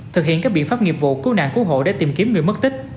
thực hiện các biện pháp nghiệp vụ cứu nạn cứu hộ để tìm kiếm người mất tích